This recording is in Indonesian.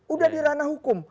udah dirana hukum